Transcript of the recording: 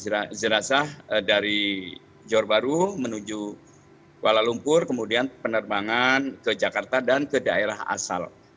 jadi jenazah dari jorbaru menuju kuala lumpur kemudian penerbangan ke jakarta dan ke daerah asal